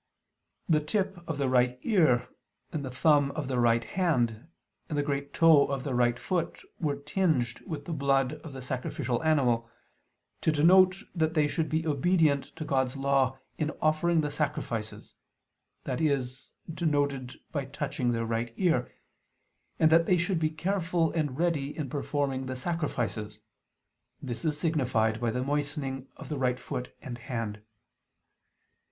The tip of their right ear and the thumb of their right hand, and the great toe of their right foot were tinged with the blood of the sacrificial animal, to denote that they should be obedient to God's law in offering the sacrifices (this is denoted by touching their right ear); and that they should be careful and ready in performing the sacrifices (this is signified by the moistening of the right foot and hand).